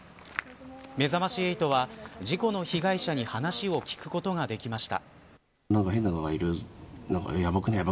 めざまし８は事故の被害者に話を聞くことができました。